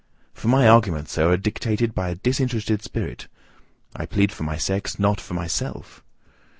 For my arguments, sir, are dictated by a disinterested spirit: I plead for my sex, not for myself.